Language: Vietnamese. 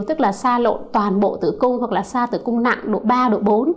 tức là sa lộn toàn bộ tử cung hoặc là sa tử cung nặng độ ba độ bốn